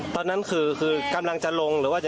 ตอนนั้นคือกำลังจะลงหรือว่าจะ